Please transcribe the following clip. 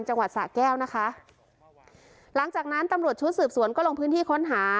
จังหวัดสะแก้วนะคะหลังจากนั้นตำรวจชุดสืบสวนก็ลงพื้นที่ค้นหา